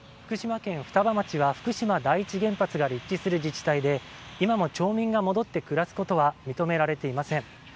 福島県双葉町は福島第一原発が立地する自治体で今も町民が戻って暮らすことは認められていません。